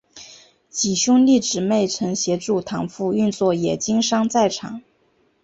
几兄弟姊妹曾协助谭父运作冶金山寨厂。